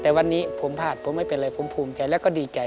แต่วันนี้ผมพลาดผมไม่เป็นไรผมภูมิใจแล้วก็ดีใจ